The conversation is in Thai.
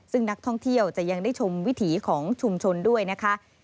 ซึ่งนักท่องเที่ยวจะยังได้ชมวิถีของชุมชนด้วยนะคะ